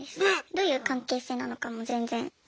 どういう関係性なのかも全然。